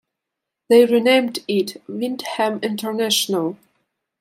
They renamed it Wyndham International.